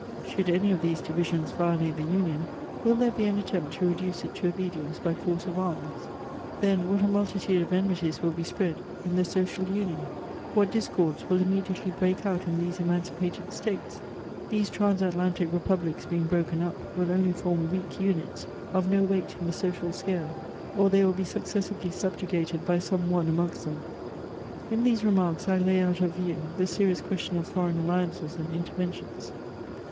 Should any of these divisions violate the union, will there be an attempt to reduce it to obedience by force of arras ? Then what a multitude of enmities will be spread in the social • VOL. I. Y 302 HEMOIBS OF union ! What disoords will immediately break out in these emancipated States ! These transatlantic republics being broken up, will only form weak units* of no weight ia the social scale, or they wiU be successively subjugated by some one amongst them. In these remarks I lay out of view the serious question of foreign alliances and interventions.